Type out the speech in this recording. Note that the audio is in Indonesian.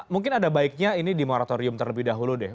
mungkin ada baiknya ini di moratorium terlebih dahulu deh